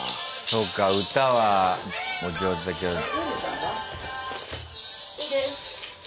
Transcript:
そうか歌はお上手だけど。